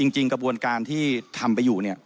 จริงกระบวนการที่ทำไปอยู่